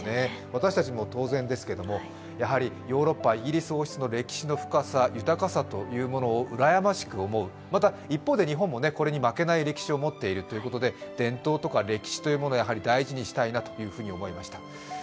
私たちも当然ですけども、やはりヨーロッパ、イギリス王室の歴史の深さ、豊かさというものを羨ましく思う、また一方で日本も、これに負けない歴史を持っているということで伝統とか歴史というものはやはり大事にしたいと思いました。